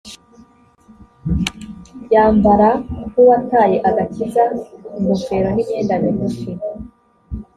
yambara nk’uwataye agakiza ingofero n’imyenda migufi